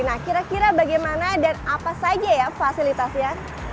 nah kira kira bagaimana dan apa saja ya fasilitasnya